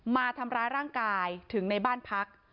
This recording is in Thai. มาทำร้ายร่างกายถึงในบ้านพัก